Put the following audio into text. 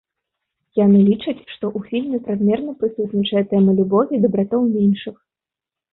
Яны лічаць, што ў фільме празмерна прысутнічае тэма любові да братоў меншых.